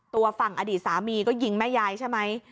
ตัวฝั่งอดีตสามีก็ยิงแม่ยายใช่ไหม